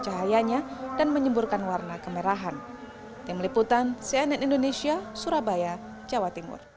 cahayanya dan menyemburkan warna kemerahan tim liputan cnn indonesia surabaya jawa timur